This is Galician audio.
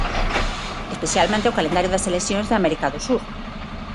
Especialmente o calendario das seleccións de América do Sur.